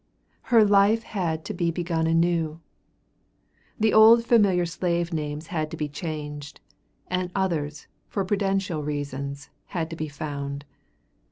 Here life had to be begun anew. The old familiar slave names had to be changed, and others, for prudential reasons, had to be found.